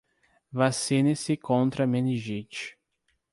Vacine-se contra meningite